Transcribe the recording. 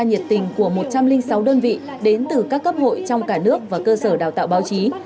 nhiệt tình của một trăm linh sáu đơn vị đến từ các cấp hội trong cả nước và cơ sở đào tạo báo chí